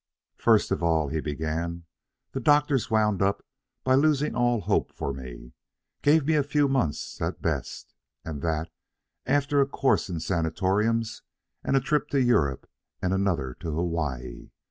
"First of all," he began, "the doctors wound up by losing all hope for me. Gave me a few months at best, and that, after a course in sanatoriums and a trip to Europe and another to Hawaii.